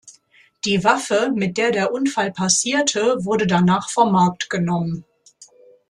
Die Waffe, mit der der Unfall passierte, wurde danach vom Markt genommen.